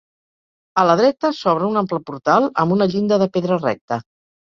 A la dreta s'obre un ample portal amb una llinda de pedra recta.